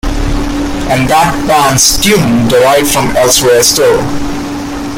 And that band's tunes derive from elsewhere still.